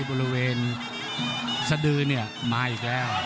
บริเวณสดือเนี่ยมาอีกแล้ว